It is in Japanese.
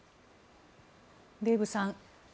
デーブさん